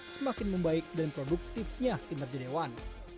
semakin membaik dan produktifnya kinerja dewan